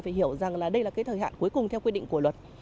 và quyết định của luật